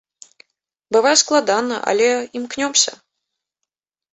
Бывае складана, але імкнёмся.